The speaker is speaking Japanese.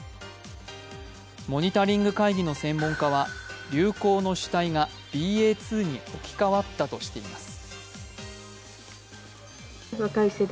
モニタリング会議の専門家は流行の主体がＢＡ．２に置き換わったとしています。